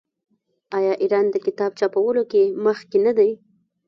آیا ایران د کتاب چاپولو کې مخکې نه دی؟